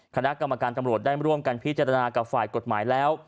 คณะกรรมการตำรวจได้ร่วมกันพิจารณากับฝ่ายกฎหมายแล้ว